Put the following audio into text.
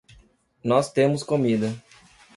Nós temos comida.